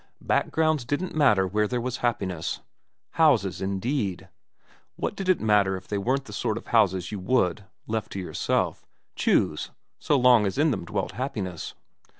Backgrounds didn't matter where there was happiness. Houses, indeed. What did it matter if they weren't the sort of houses you would, left to yourself, choose so long as in them dwelt happiness